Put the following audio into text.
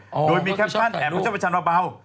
โดยมีแค่พ่อนแอบพระเจ้าประชาญบะเบา